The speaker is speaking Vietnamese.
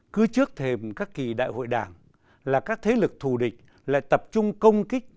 cứ trước thềm các kỳ đại hội đảng là các thế lực thù địch lại tập trung công kích